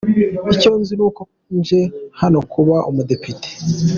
Icyo nzi ni uko nje hano kuba umudepite.